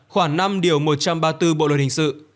khoảng năm điều một trăm ba mươi bốn bộ luật hình sự